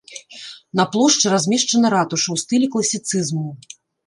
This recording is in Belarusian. На плошчы размешчана ратуша ў стылі класіцызму.